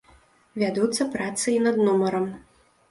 Вядуцца працы і над нумарам.